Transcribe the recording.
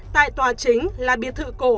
tại tòa chính là biệt thự cổ